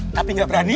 tapi gak berani